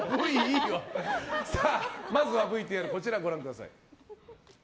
まずはＶＴＲご覧ください。